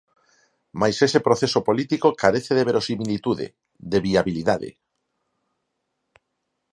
Mais ese proceso político carece de verosimilitude, de viabilidade.